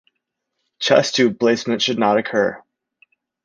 Chest tube placement should not occur.